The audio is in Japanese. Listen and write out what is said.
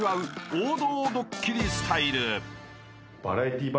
王道ドッキリスタイル］